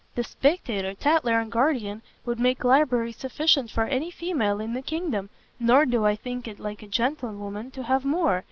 The Spectator, Tatler and Guardian, would make library sufficient for any female in the kingdom, nor do I think it like a gentlewoman to have more.